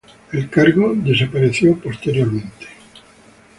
El cargo desapareció posteriormente.